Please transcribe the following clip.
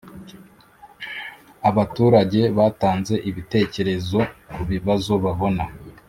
Abaturage batanze ibitekerezo ku bibazo babona